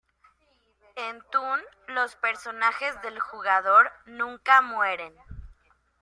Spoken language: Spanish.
En "Toon", los personajes del jugador nunca mueren.